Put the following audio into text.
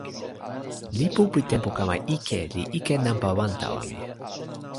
lipu pi tenpo kama ike li ike nanpa wan tawa mi.